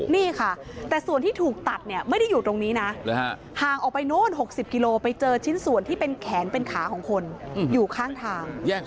นี่ค่ะแต่ส่วนที่ถูกตัดเนี่ยไม่ได้อยู่ตรงนี้นะห่างออกไปนู้น๖๐กิโลไปเจอชิ้นส่วนที่เป็นแขนเป็นขาของคนอยู่ข้างทาง